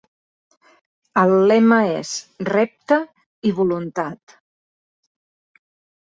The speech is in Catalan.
El lema és "Repte i voluntat".